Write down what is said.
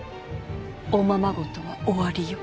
おままごとは終わりよ。